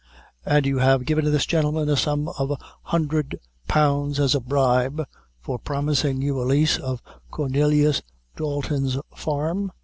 "And you have given this gentleman the sum of a hundred pounds, as a bribe, for promising you a lease of Cornelius Dalton's farm?"